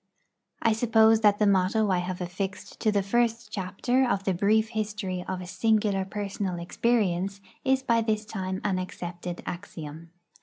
I suppose that the motto I have affixed to the first chapter of the brief history of a singular personal experience is by this time an accepted axiom.